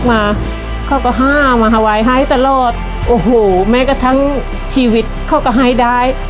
มาข้าก็ห้ามมาหาวัยไห้ตลอดแม้กระทั้งชีวิตเขาก็ไห้ได้